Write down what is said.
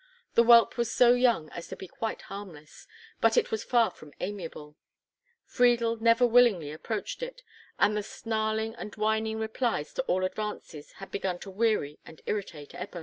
The whelp was so young as to be quite harmless, but it was far from amiable; Friedel never willingly approached it, and the snarling and whining replies to all advances had begun to weary and irritate Ebbo.